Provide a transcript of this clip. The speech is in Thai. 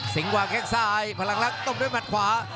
สิงค์วางแค่งซ้ายพลังลักษณ์ต้มด้วยหมัดขวา